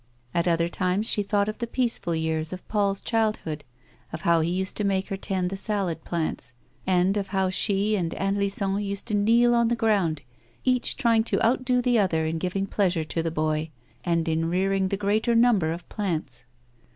At other times she thought of the peaceful years of Paul's childhood — of how he used to make her tend the salad plants, A WOMAN'S LIFE. 241 and of how she and Aunt Lisou used to kneel on the ground, each trying to outdo the other in giving pleasure to the boy, and in rearing the greater number of plants.